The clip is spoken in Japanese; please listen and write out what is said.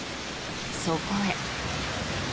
そこへ。